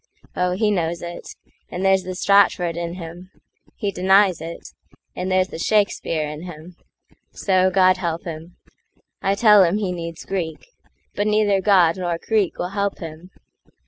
Oh, he knows it,—And there's the Stratford in him; he denies it, And there's the Shakespeare in him. So, God help him!I tell him he needs Greek; but neither GodNor Greek will help him.